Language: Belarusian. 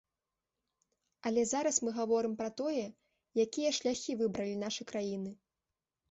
Але зараз мы гаворым пра тое, якія шляхі выбралі нашы краіны.